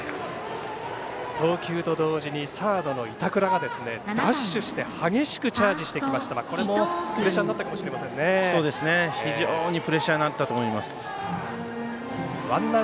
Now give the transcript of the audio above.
投球と同時にサードの板倉がダッシュして激しくチャージしてきましたがこれもプレッシャーになったかもしれませんね。